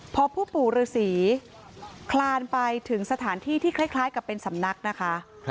พอผู้ปู่ฤษีคลานไปถึงสถานที่ที่คล้ายกับเป็นสำนักนะคะ